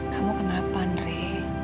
kamu kenapa andre